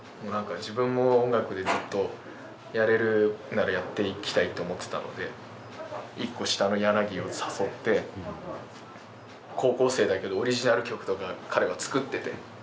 何か自分も音楽でずっとやれるならやっていきたいと思ってたので１個下のやなぎを誘って高校生だけどオリジナル曲とか彼が作ってて。